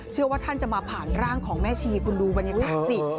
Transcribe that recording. เชื่อว่าท่านจะมาผ่านร่างของแม่ชีคุณดูบรรยากาศสิ